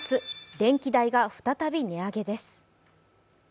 電気代が再び値上げです。